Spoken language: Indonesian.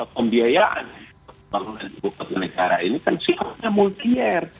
pembiayaan pembangunan ibu kota negara ini kan sifatnya multi year